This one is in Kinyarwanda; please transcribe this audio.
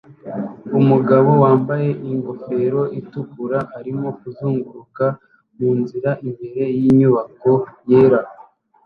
Umugabo wambaye ingofero itukura arimo kuzunguruka munzira imbere yinyubako yera